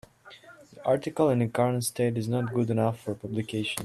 The article in the current state is not good enough for publication.